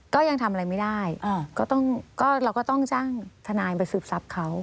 ก็ยังทำอะไรไม่ได้ก็ต้องเราก็ต้องจ้างทนายไปสืบทรัพย์เขา